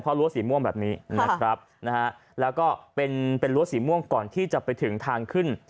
รั้วสีม่วงแบบนี้นะครับนะฮะแล้วก็เป็นเป็นรั้วสีม่วงก่อนที่จะไปถึงทางขึ้น